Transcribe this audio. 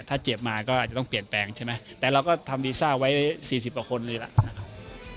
ถ้าเจ็บมาก็อาจจะต้องเปลี่ยนแปลงใช่ไหมแต่เราก็ทำวีซ่าไว้๔๐กว่าคนเลยล่ะนะครับ